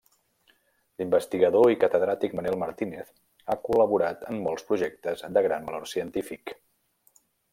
L'investigador i catedràtic Manel Martínez ha col·laborat en molts projectes de gran valor científic.